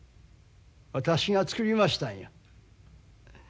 私が作りましたんや。